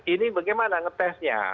ini bagaimana ngetesnya